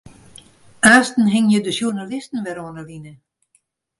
Aansten hingje de sjoernalisten wer oan 'e line.